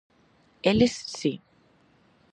Eles si.